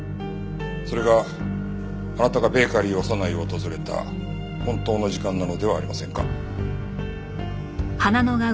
それがあなたがベーカリーオサナイを訪れた本当の時間なのではありませんか？